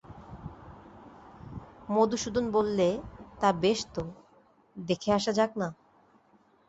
মধূসূদন বললে, তা বেশ তো, দেখে আসা যাক-না।